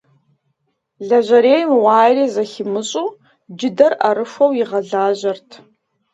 Лэжьэрейм уаери зыхимыщӀэу джыдэр Ӏэрыхуэу игъэлажьэрт.